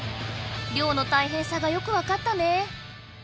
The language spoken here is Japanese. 漁のたいへんさがよく分かったね。